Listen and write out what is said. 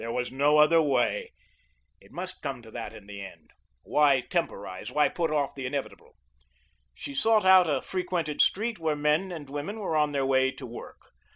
"Mammy, I'm hungry." There was no other way. It must come to that in the end. Why temporise, why put off the inevitable? She sought out a frequented street where men and women were on their way to work.